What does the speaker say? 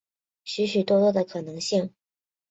许许多多的可能性